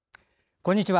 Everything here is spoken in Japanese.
こんにちは。